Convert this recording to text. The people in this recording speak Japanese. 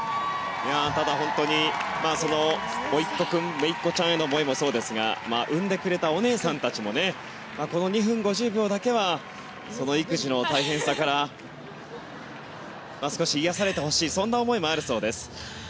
ただ本当に、おいっ子君めいっ子ちゃんへの思いもそうですが産んでくれたお姉さんたちもこの２分５０秒だけはその育児の大変さから少し癒やされてほしいそんな思いもあるそうです。